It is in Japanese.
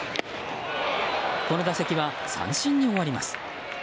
この打席は三振に終わります。